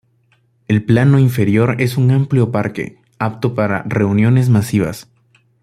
El plano inferior es un amplio parque, apto para reuniones masivas.